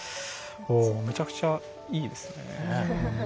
むちゃくちゃいいですね。